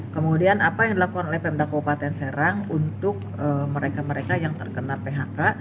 kemudian apa yang dilakukan oleh pemda kabupaten serang untuk mereka mereka yang terkena phk